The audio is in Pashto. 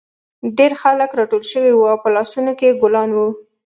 ډېر خلک راټول شوي وو او په لاسونو کې یې ګلان وو